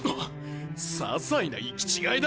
ささいな行き違いだ？